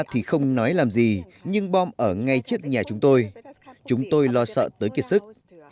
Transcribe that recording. thì không nói làm gì nhưng bom ở ngay trước nhà chúng tôi chúng tôi lo sợ tới kiệt sức